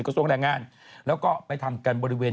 กระทรวงแรงงานแล้วก็ไปทำกันบริเวณ